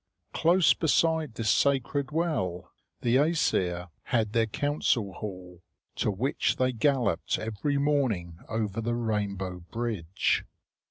Close beside this sacred well the Æsir had their council hall, to which they galloped every morning over the rainbow bridge.